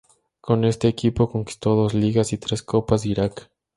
Con este equipo conquistó dos Ligas y tres Copas de Irak.